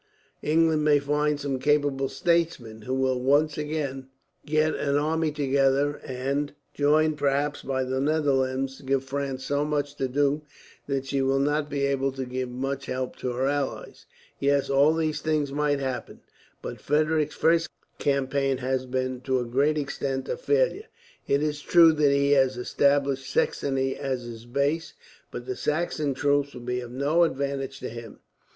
England may find some capable statesman, who will once again get an army together and, joined perhaps by the Netherlands, give France so much to do that she will not be able to give much help to her allies." "Yes, all these things might happen; but Frederick's first campaign has been, to a great extent, a failure. It is true that he has established Saxony as his base, but the Saxon troops will be of no advantage to him.